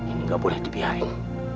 ini nggak boleh dibiarkan